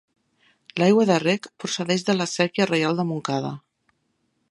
L'aigua de reg procedeix de la Séquia Reial de Montcada.